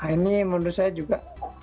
ini menurut saya juga